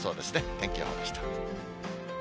天気予報でした。